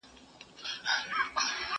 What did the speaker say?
ما د سبا لپاره د نوي لغتونو يادونه کړې ده!!